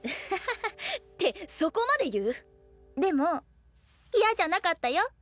アハハってそこまで言う⁉でも嫌じゃなかったよ。